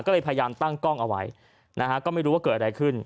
ก็เลยพยายามตั้งกล้องเอาไว้นะฮะก็ไม่รู้ว่าเกิดอะไรขึ้น